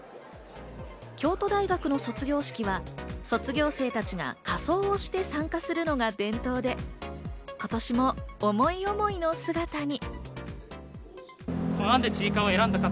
京都大学の卒業式は、卒業生たちが仮装をして参加するのが伝統で、今年も思い思いの姿に。